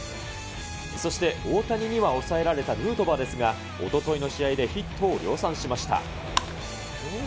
そして大谷には抑えられたヌートバーですが、おとといの試合でヒットを量産しました。